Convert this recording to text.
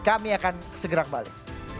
kami akan segera kembali